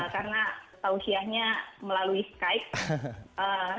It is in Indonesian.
karena tausiyahnya melalui skype